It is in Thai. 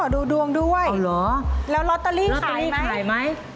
อ๋อดูดวงด้วยแล้วลอตเตอรี่ขายไหมลอตเตอรี่ขายไหม